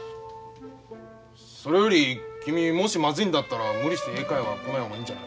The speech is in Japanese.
それより君もしまずいんだったら無理して英会話来ない方がいいんじゃないか？